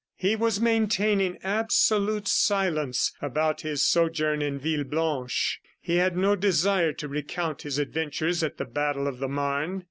He was maintaining absolute silence about his sojourn at Villeblanche. He had no desire to recount his adventures at the battle of the Marne.